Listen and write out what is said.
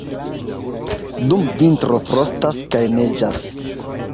Dum vintro frostas kaj neĝas.